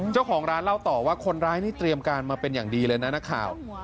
เจ้าของร้านเล่าต่อว่าคนร้ายนี่เตรียมการมาเป็นอย่างดีเลยนะนักข่าว